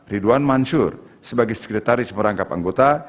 ridwan mansur sebagai sekretaris merangkap anggota